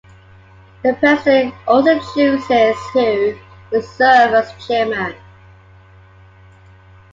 The President also chooses who will serve as Chairman.